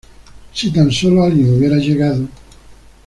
Si tan sólo alguien hubiera llegado"".